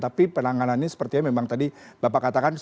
tapi penanganannya sepertinya memang tadi bapak katakan